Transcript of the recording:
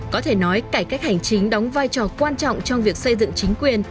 có thể nói cải cách hành chính đóng vai trò quan trọng trong việc xây dựng chính quyền